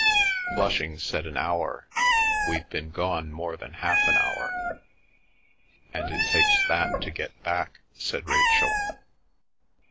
"Flushing said an hour. We've been gone more than half an hour." "And it takes that to get back," said Rachel.